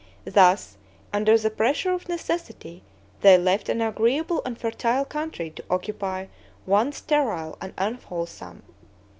Thus, under the pressure of necessity, they left an agreeable and fertile country to occupy one sterile and unwholesome.